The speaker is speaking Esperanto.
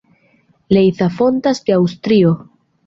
Leitha fontas en Aŭstrio.